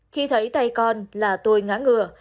khi thấy tay con là tôi ngã ngừa